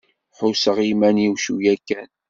Ḥusseɣ iman-iw cwiya kan.